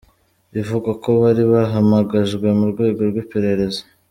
Ivuga ko bari bahamagajwe mu rwego rw’iperereza.